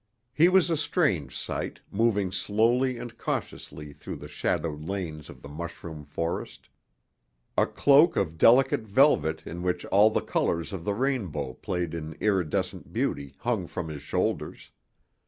He was a strange sight, moving slowly and cautiously through the shadowed lanes of the mushroom forest. A cloak of delicate velvet in which all the colors of the rainbow played in iridescent beauty hung from his shoulders.